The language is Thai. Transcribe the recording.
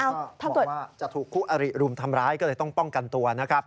ก็บอกว่าจะถูกคู่อริรุมทำร้ายก็เลยต้องป้องกันตัวนะครับ